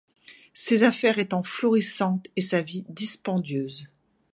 Ses affaires étant florissantes et sa vie dispendieuse.